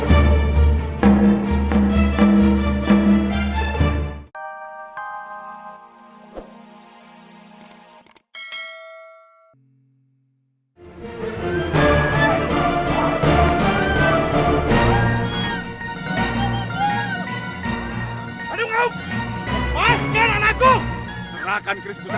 ayo cepat serahkan ke situ